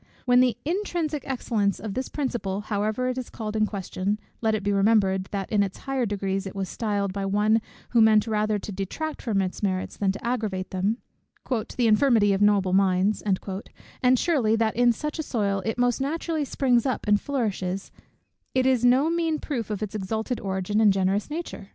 When the intrinsic excellence of this principle however is called in question, let it be remembered, that in its higher degrees it was styled, by one who meant rather to detract from its merits than to aggravate them, 'the infirmity of noble minds;' and surely, that in such a soil it most naturally springs up, and flourishes, is no mean proof of its exalted origin and generous nature.